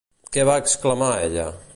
Què va exclamar ella?